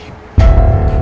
terus gimana caranya